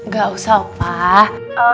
gak usah opa